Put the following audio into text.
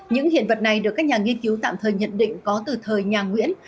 những hiện vật này được các nhà nghiên cứu tạm thời nhận định có từ thời nhà nguyễn